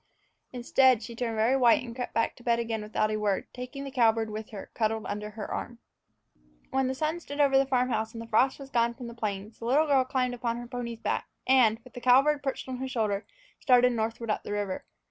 Instead, she turned very white and crept back to bed again without a word, taking the cowbird with her, cuddled under her arm. WHEN the sun stood over the farm house and the frost was gone from the plains, the little girl climbed upon her pony's back and, with the cowbird perched on her shoulder, started northward up the river.